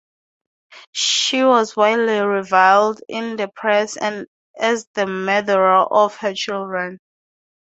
She was widely reviled in the press as the murderer of her children.